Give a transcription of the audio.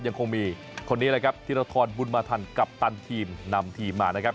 ยังคงมีคนนี้เลยครับธิรทรบุญมาทันกัปตันทีมนำทีมมานะครับ